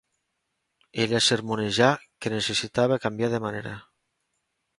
Ella sermonejar que necessitava canviar de manera.